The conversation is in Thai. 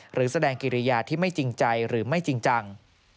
หรือแสดงกิริยาที่ไม่จริงใจหรือไม่จริงจัง